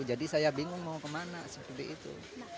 jadi saya bingung mau kemana seperti itu